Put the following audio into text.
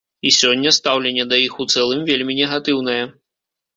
І сёння стаўленне да іх у цэлым вельмі негатыўнае.